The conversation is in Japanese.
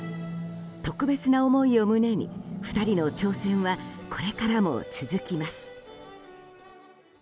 特別な思いを胸に２人の挑戦はこれからも続きます。